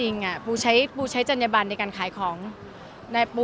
ในฐาณาได้รับผลกระทบ